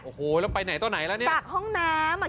โอ้โหแล้วไปไหนต่อไหนแล้วเนี่ยจากห้องน้ำอ่ะ